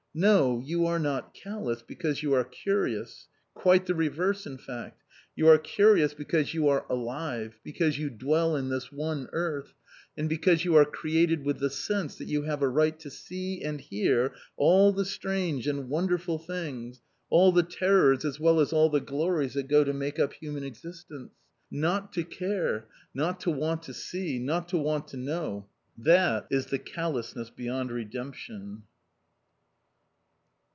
No! You are not callous because you are curious! Quite the reverse, in fact. You are curious because you are alive, because you dwell in this one earth, and because you are created with the "sense" that you have a right to see and hear all the strange and wonderful things, all the terrors as well as all the glories that go to make up human existence. Not to care, not to want to see, not to want to know, that is the callousness beyond redemption!